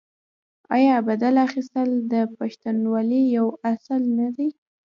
آیا بدل اخیستل د پښتونولۍ یو اصل نه دی؟